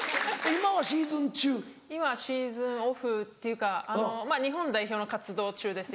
今シーズンオフっていうか日本代表の活動中です